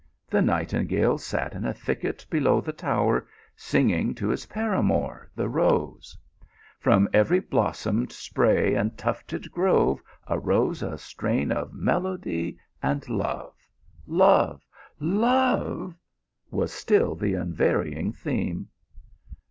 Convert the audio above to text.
The nightingale sat in a thicket below the tower singing to his paramour, the rose ; from every blossomed spray and tufted grove arose a strain of melody, and love love love, was still the unvary ing theme.